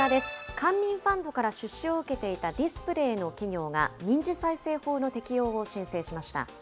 官民ファンドから出資を受けていたディスプレーの企業が、民事再生法の適用を申請しました。